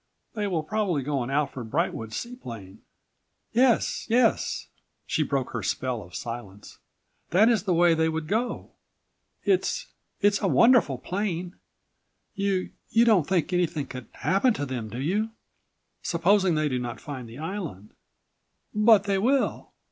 "They will probably go in Alfred Brightwood's seaplane." "Yes, yes," she broke her spell of silence. "That is the way they would go. It's—it's a wonderful plane! You—you don't think anything could happen to them, do you?" "Supposing they do not find the island?" "But they will."